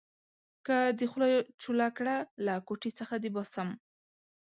که دې خوله چوله کړه؛ له کوټې څخه دې باسم.